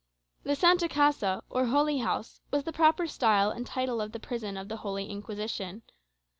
The "Santa Casa," or Holy House, was the proper style and title of the prison of the Holy Inquisition.